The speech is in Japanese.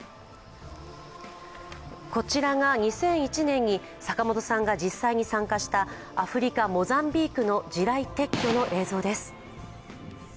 こちらが２００１年に坂本さんが実際に参加したアフリカ・モザンビークの地雷撤去の映像です。